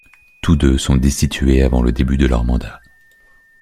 Tous deux sont destitués avant le début de leur mandat.